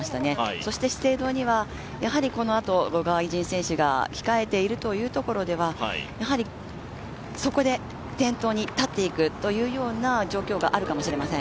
そして資生堂には、このあと外人選手が控えているというところではそこで先頭に立っていくという状況があるかもしれません。